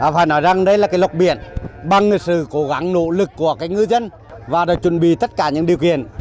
phải nói rằng đây là cái lục biển bằng sự cố gắng nỗ lực của ngư dân và chuẩn bị tất cả những điều kiện